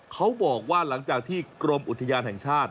เขาบอกว่าหลังจากที่กรมอุทยานแห่งชาติ